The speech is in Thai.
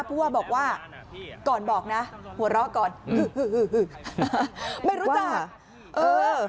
ผู้ว่าบอกว่าก่อนบอกนะหัวเราะก่อนไม่รู้จักเออ